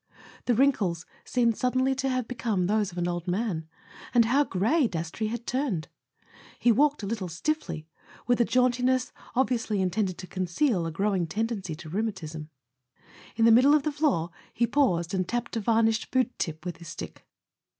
The wrinkles seemed suddenly to have become those of an old man; and how grey Dastrey had turned! He walked a little stiffly, with a jauntiness obviously intended to conceal a growing tendency to rheumatism. A SON AT THE FRONT In the middle of the floor he paused and tapped a varnished boot tip with his stick.